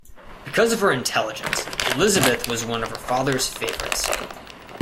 Because of her intelligence, Elizabeth was one of her father's favorites.